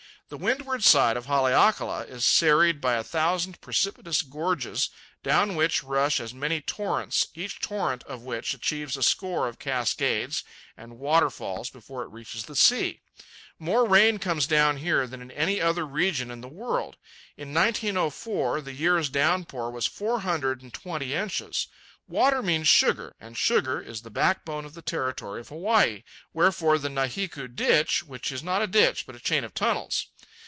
The windward side of Haleakala is serried by a thousand precipitous gorges, down which rush as many torrents, each torrent of which achieves a score of cascades and waterfalls before it reaches the sea. More rain comes down here than in any other region in the world. In 1904 the year's downpour was four hundred and twenty inches. Water means sugar, and sugar is the backbone of the territory of Hawaii, wherefore the Nahiku Ditch, which is not a ditch, but a chain of tunnels.